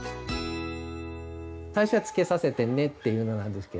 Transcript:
最初は「つけさせてね」っていうのなんですけど。